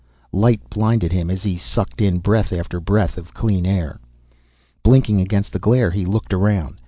Light blinded him as he sucked in breath after breath of clean air. Blinking against the glare, he looked around.